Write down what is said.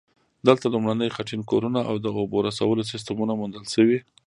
دلته لومړني خټین کورونه او د اوبو رسولو سیستمونه موندل شوي